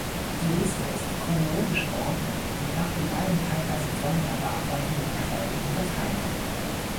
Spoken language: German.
Die Liste ist chronologisch geordnet und nach den beiden teilweise voneinander abweichenden Quellen unterteilt.